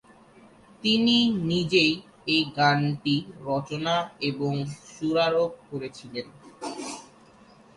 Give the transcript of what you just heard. তিনি নিজেই এই গানটি রচনা এবং সুরারোপ করেছিলেন।